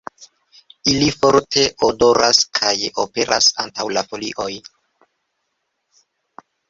Ili forte odoras kaj aperas antaŭ la folioj.